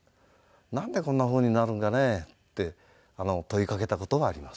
「なんでこんな風になるんかね？」って問いかけた事はあります。